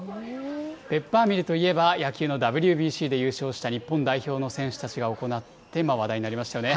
ペッパーミルといえば野球のＷＢＣで優勝した日本代表の選手たちが行って話題になりましたよね。